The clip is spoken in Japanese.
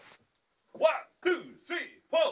ワンツースリーフォー！